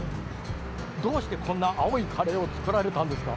どうしてこんな青いカレーをつくられたんですか？